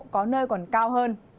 có nơi còn cao hơn